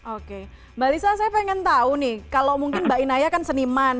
oke mbak lisa saya pengen tahu nih kalau mungkin mbak inaya kan seniman